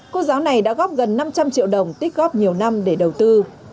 cô giáo này đã góp gần năm trăm linh triệu đồng tích góp nhiều năm để đầu tư